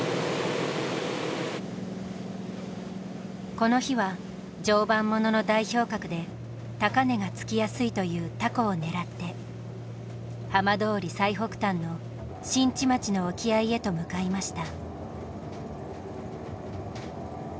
この日は常磐ものの代表格で高値がつきやすいというタコを狙って浜通り最北端の新地町の沖合へと向かいました。